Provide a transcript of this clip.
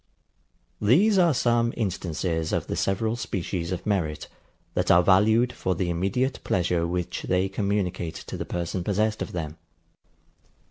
These are some instances of the several species of merit, that are valued for the immediate pleasure which they communicate to the person possessed of them.